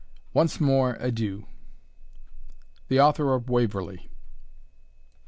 Once more adieu! THE AUTHOR OF WAVERLEY.